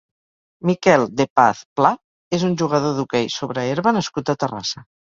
Miquel de Paz Plá és un jugador d'hoquei sobre herba nascut a Terrassa.